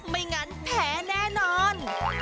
ไม่งั้นแพ้แน่นอน